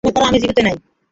মনে কর, আমি জীবিত নাই।